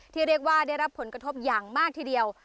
ที่เรียกว่าได้รับผลกระทบอย่างมากทีเดียว